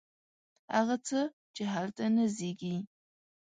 هغه څه، چې هلته نه زیږي